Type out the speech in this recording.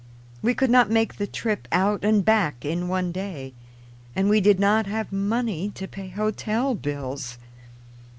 We could not make the trip out and back in one day, and we did not have money to pay hotel bills.